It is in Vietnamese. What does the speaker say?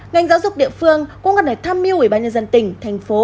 ngành giáo dục địa phương cũng cần phải tham mưu ủy ban nhân dân tỉnh thành phố